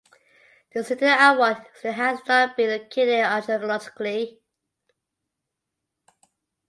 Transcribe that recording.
The city of Awan still has not been located archaeologically.